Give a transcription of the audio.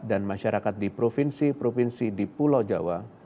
dan masyarakat di provinsi provinsi di pulau jawa